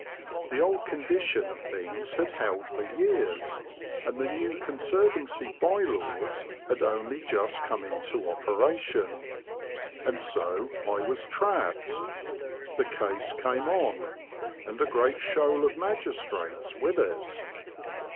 The old condition of things had held for years, and the new Con servancy bye laws had only just come into operation. And so I was trapped. The case came on, and a great shoal of magistrates with it.